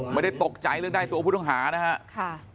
ไม่ได้ตกใจได้ตัวผู้ต้องหานะฮะ